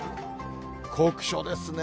酷暑ですね。